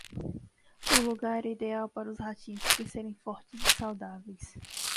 O lugar era ideal para os ratinhos crescerem fortes e saudáveis.